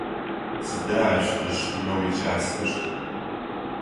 Сыда ащ ышхынэу икӏасэр?